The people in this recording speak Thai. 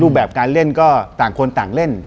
แบบการเล่นก็ต่างคนต่างเล่น